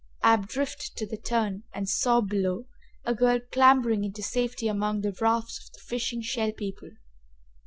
Ab drifted to the turn and saw, below, a girl clambering into safety among the rafts of the fishing Shell People.